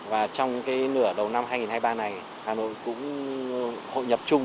và trong nửa đầu năm hai nghìn hai mươi ba này hà nội cũng hội nhập chung